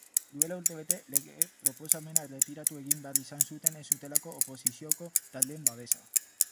Duela urtebete lege-proposamena erretiratu egin behar izan zuten ez zutelako oposizioko taldeen babesa.